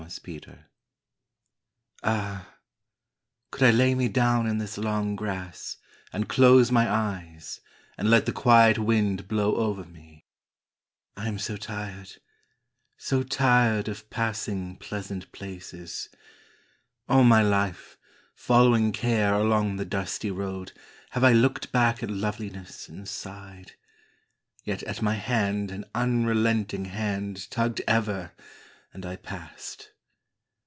JOURNEY Ah, could I lay me down in this long grass And close my eyes, and let the quiet wind Blow over me I am so tired, so tired Of passing pleasant places! All my life, Following Care along the dusty road, Have I looked back at loveliness and sighed; Yet at my hand an unrelenting hand Tugged ever, and I passed.